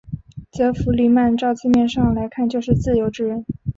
则弗里曼照字面上来看就是自由之人。